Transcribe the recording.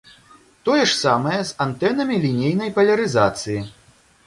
Тое ж самае з антэнамі лінейнай палярызацыі.